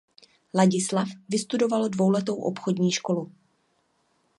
Ladislav vystudoval dvouletou obchodní školu.